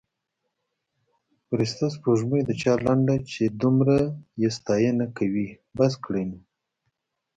فرسته سپوړمۍ د چا لنډه چې دمره یې ستاینه یې کوي بس کړﺉ نو